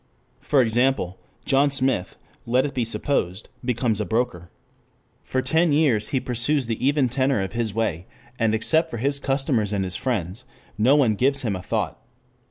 For example, John Smith, let it be supposed, becomes a broker. For ten years he pursues the even tenor of his way and except for his customers and his friends no one gives him a thought.